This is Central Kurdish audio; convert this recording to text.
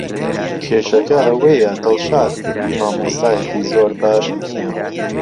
کێشەکە ئەوەیە دڵشاد مامۆستایەکی زۆر باش نییە.